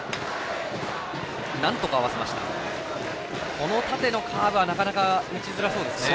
この縦のカーブはなかなか打ちづらそうですね。